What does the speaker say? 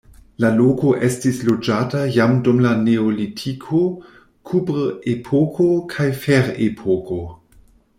La loko estis loĝata jam dum la neolitiko, kuprepoko kaj ferepoko.